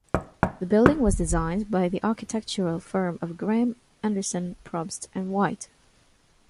The building was designed by the architectural firm of Graham, Anderson, Probst and White.